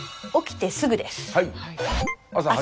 起きてすぐです。